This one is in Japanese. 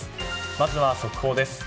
まずは速報です。